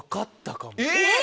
えっ！